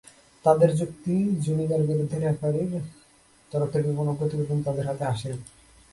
তাদের যুক্তি, জুনিগার বিরুদ্ধে রেফারির তরফ থেকে কোনো প্রতিবেদন তাদের হাতে আসেনি।